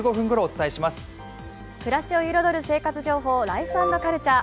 暮らしを彩る生活情報「ライフ＆カルチャー」